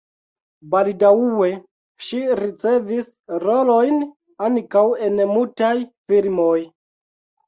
Baldaŭe ŝi ricevis rolojn ankaŭ en mutaj filmoj.